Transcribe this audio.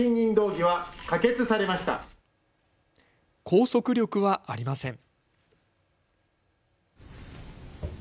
拘束力はありません。